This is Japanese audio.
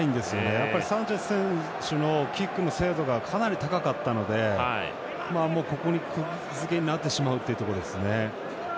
やっぱりサンチェス選手のキックの精度がかなり高かったのでここに、くぎづけになってしまうというところですね。